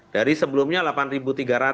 dari sebelumnya rp delapan tiga ratus